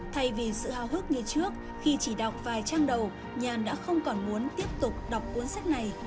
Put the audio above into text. thay vì sự hào hức như trước khi chỉ đọc vài trang đầu nhàn đã không còn muốn tiếp tục đọc cuốn sách này